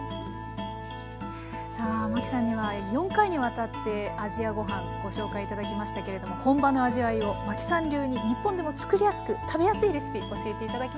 マキさんには４回にわたって「アジアごはん」ご紹介頂きましたけれども本場の味わいをマキさん流に日本でも作りやすく食べやすいレシピ教えて頂きました。